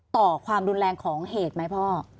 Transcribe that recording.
ต่อความรุนแรงของเหตุไหมพ่อ